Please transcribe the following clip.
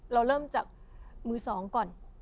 เราเริ่มจากมือสองก่อน